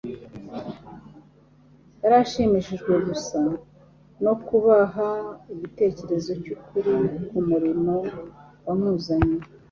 yari ashimishijwe gusa no kubaha igitekerezo cy'ukuri k'umurimo wamuzanye.